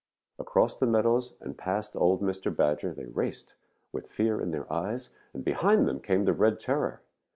Across the meadows and past old Mr. Badger they raced, with fear in their eyes, and behind them came the Red Terror.